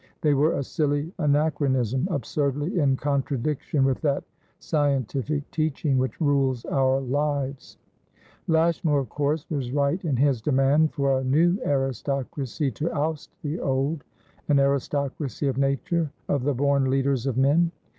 They were a silly anachronism, absurdly in contradiction with that scientific teaching which rules our lives. Lashmar, of course, was right in his demand for a new aristocracy to oust the old, an aristocracy of nature, of the born leaders of men.